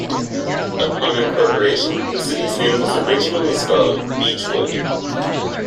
Upon incorporation, the City's name was originally spelled, "Beechwood".